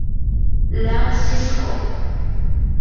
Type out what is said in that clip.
莱昂西兹孔。